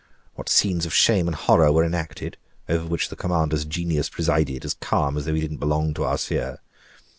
what scenes of shame and horror were enacted, over which the commander's genius presided, as calm as though he didn't belong to our sphere?